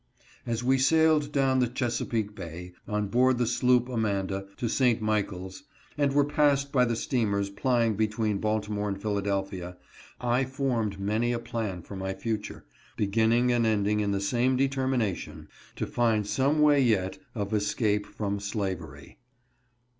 As we sailed down the Chesapeake bay, on board the sloop Amanda, to St.Michaels, and were passed by the steamers plying between Baltimore and Philadelphia, I formed many a plan for my future, beginning and ending in the same determination — to find some way yet of escape from slavery.